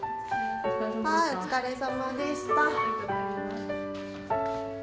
はいお疲れさまでした。